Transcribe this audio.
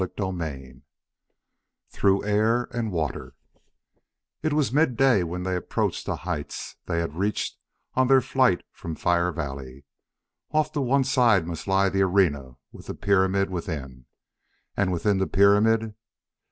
CHAPTER XVI Through Air and Water It was midday when they approached the heights they had reached on their flight from Fire Valley. Off to one side must lie the arena with the pyramid within. And within the pyramid